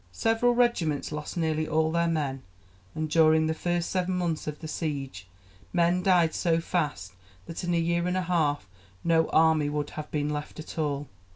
Several regiments lost nearly all their men, and during the first seven months of the siege men died so fast that in a year and a half no army would have been left at all.